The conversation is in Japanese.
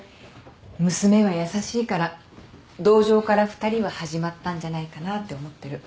娘は優しいから同情から２人は始まったんじゃないかなって思ってる。